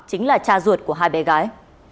chính là cha ruột của hai bé gái